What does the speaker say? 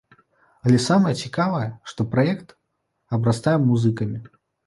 Але самае цікавае, што праект абрастае музыкамі.